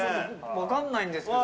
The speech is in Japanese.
分かんないんですけど。